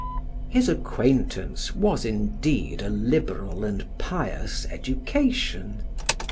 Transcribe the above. His acquaintance was indeed a liberal and pious education.